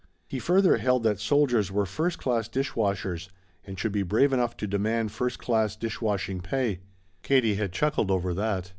He further held that soldiers were first class dishwashers and should be brave enough to demand first class dishwashing pay. Katie had chuckled over that.